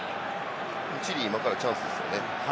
チリ、今からチャンスですよね。